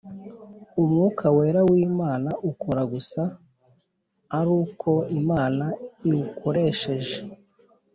umwuka wera w’Imana ukora gusa ari uko Imana iwukoresheje